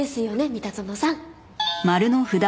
三田園さん。